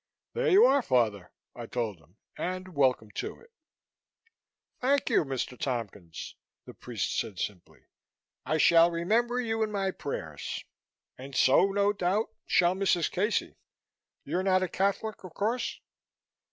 "There you are, Father," I told him, "and welcome to it." "Thank you, Mr. Tompkins," the priest said simply. "I shall remember you in my prayers and so, no doubt, will Mrs. Casey. You're not a Catholic, of course?"